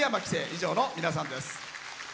以上の皆さんです。